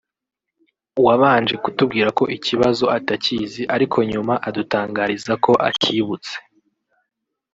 wabanje kutubwira ko iki kibazo atakizi ariko nyuma adutangariza ko acyibutse